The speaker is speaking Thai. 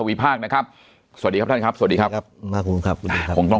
วิภาคนะครับสวัสดีครับท่านครับสวัสดีครับครับครับผมต้อง